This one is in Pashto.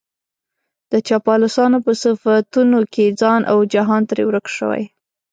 د چاپلوسانو په صفتونو کې ځان او جهان ترې ورک شوی.